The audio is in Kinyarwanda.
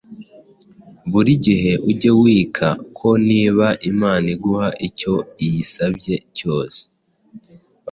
Buri gihe ujye wika ko niba Imana iguha icyo iyisabye cyose,